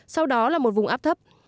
sau đó là một vùng áp thấp